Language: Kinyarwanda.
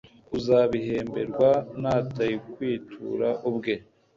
uzabihemberwa; natayikwitura ubwe